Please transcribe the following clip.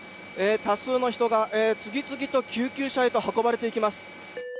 多数の人が次々と救急車へと運ばれていきます。